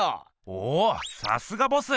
おおさすがボス。